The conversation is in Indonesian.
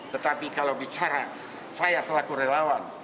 tetapi kalau bicara saya selaku relawan